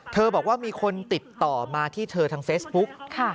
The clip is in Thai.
บอกว่ามีคนติดต่อมาที่เธอทางเฟซบุ๊ก